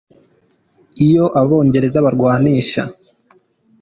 Iyo Abongereza barwanisha!